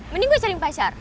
mending gue cari pacar